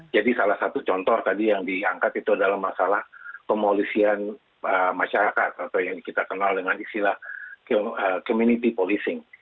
jadi salah satu contoh tadi yang diangkat itu adalah masalah kemolisian masyarakat atau yang kita kenal dengan istilah community policing